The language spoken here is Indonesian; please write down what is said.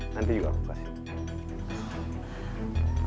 nanti juga aku kasih